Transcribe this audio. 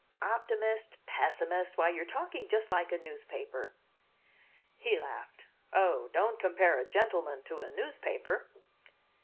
"Optimist! Pessimist! Why, you're talking just like a newspaper!" He laughed. "Oh, don't compare a gentleman to a newspaper."